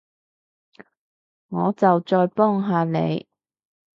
我就再幫下你